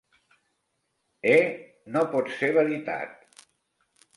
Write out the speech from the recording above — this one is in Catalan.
Eh?: no pot ser veritat!